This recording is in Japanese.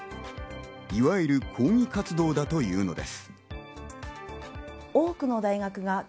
いわゆる抗議活動だというのです。